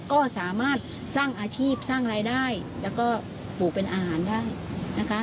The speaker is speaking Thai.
ก็สามารถสร้างอาชีพสร้างรายได้แล้วก็ปลูกเป็นอาหารได้นะคะ